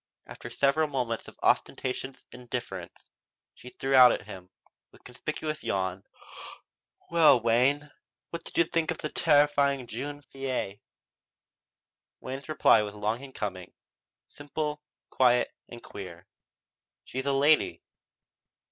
After several moments of ostentatious indifference, she threw out at him, with a conspicuous yawn: "Well, Wayne, what did you think of the terrifying jeune fille?" Wayne's reply was long in coming, simple, quiet, and queer: "She's a lady."